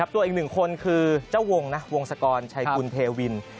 ตัวอีกหนึ่งคนคือเจ้าวงนะวงศกรชัยกุลเทวิน